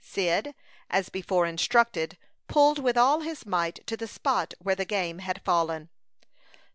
Cyd, as before instructed, pulled with all his might to the spot where the game had fallen.